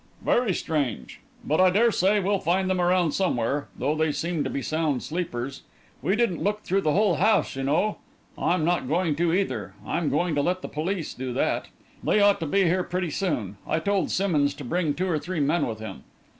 "Very strange. But, I dare say, we'll find them around somewhere though they seem to be sound sleepers! We didn't look through the whole house, you know. I'm not going to, either; I'm going to let the police do that. They ought to be here pretty soon. I told Simmonds to bring two or three men with him."